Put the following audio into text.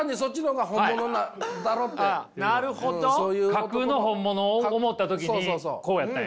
架空の本物を思った時にこうやったんや。